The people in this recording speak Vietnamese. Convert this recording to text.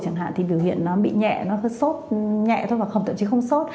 chẳng hạn thì biểu hiện nó bị nhẹ nó hơi sốt nhẹ thôi và không tự chí không sốt